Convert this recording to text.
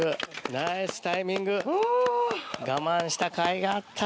ナイスタイミング我慢したかいがあった。